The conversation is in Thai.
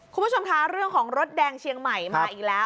คุณผู้ชมคะเรื่องของรถแดงเชียงใหม่มาอีกแล้ว